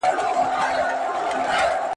ستاسو خبري به پر زړونو منګولي لګوي.